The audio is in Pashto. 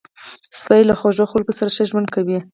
سپي له خوږو خلکو سره ښه ژوند کوي.